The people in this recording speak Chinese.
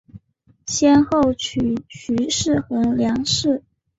先后娶徐氏和梁氏。